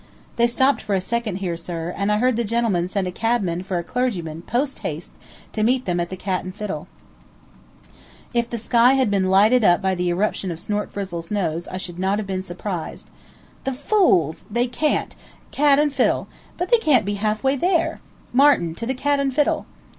They stopped for a second here, sir, and I heard the gentleman send a cabman for a clergyman, post haste, to meet them at the Cat and Fiddle." [Illustration: TO THE CAT AND FIDDLE] If the sky had been lighted up by the eruption of Snortfrizzle's nose I should not have been surprised. "The fools! They can't! Cat and Fiddle! But they can't be half way there. Martin, to the Cat and Fiddle!"